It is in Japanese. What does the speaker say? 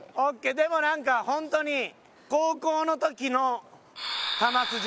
でもなんか本当に高校の時の球筋。